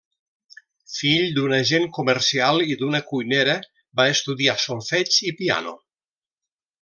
Fill d'un agent comercial i d'una cuinera, va estudiar solfeig i piano.